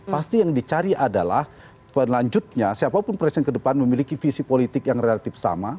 pasti yang dicari adalah penelanjutnya siapapun presiden ke depan memiliki visi politik yang relatif sama